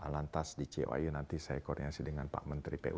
lantas di ciu nanti saya koordinasi dengan pak menteri pu